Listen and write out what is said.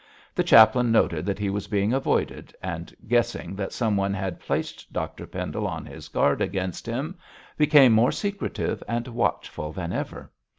The chaplain noted that he was being avoided, and guessing that someone had placed Dr Pendle on his guard against him, became more secretive and watchful than ever.